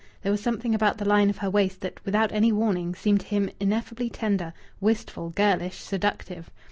There was something about the line of her waist that, without any warning, seemed to him ineffably tender, wistful, girlish, seductive.